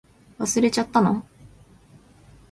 忘れちゃったの？